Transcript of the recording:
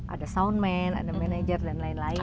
ada soundman ada manajer dan lain lain